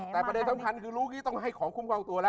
แต่ประเด็นสำคัญคือรู้กี้ต้องให้ของคุ้มครองตัวแล้ว